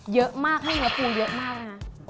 เยอะมากให้เนื้อปูเยอะมากนะคะ